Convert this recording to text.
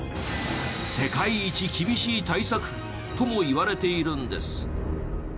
世界一厳しい対策ともいわれているんです。